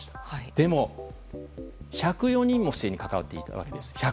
でも、１０４人も不正に関わっていたわけです。